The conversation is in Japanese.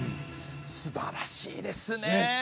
すばらしいですね！